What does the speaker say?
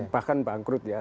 bahkan bangkrut ya